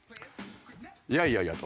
「いやいやいや」と。